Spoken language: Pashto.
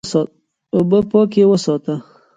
اوبه پاکې وساته.